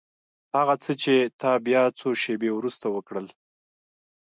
هغه څه چې تا بيا څو شېبې وروسته وکړل.